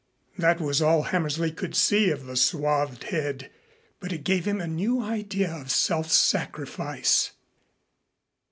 That was all Hammersley could see of the swathed head, but it gave him a new idea of self sacrifice.